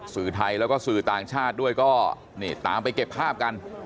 สื่อไทยแล้วก็สื่อต่างชาติด้วยก็นี่ตามไปเก็บภาพกัน